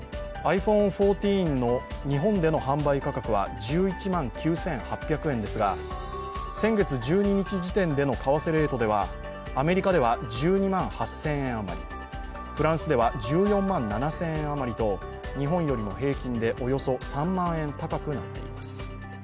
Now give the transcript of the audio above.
ｉＰｈｏｎｅ１４の日本での販売価格は１１万９８００円ですが先月１２日時点での為替レートでアメリカでは１２万８０００円余り、フランスでは１４万７０００円余りと日本よりも平均でおよそ３万円高くなっています。